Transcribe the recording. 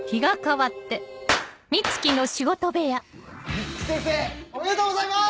美月先生おめでとうございます！